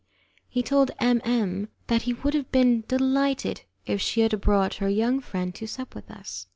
He told M M that he would have been delighted if she had brought her young friend to sup with us.